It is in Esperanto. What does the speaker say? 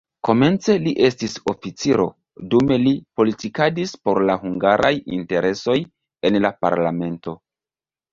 Komence li estis oficiro, dume li politikadis por la hungaraj interesoj en la parlamento.